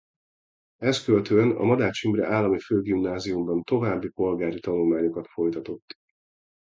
Ezt követően a Madách Imre Állami Főgimnáziumban további polgári tanulmányokat folytatott.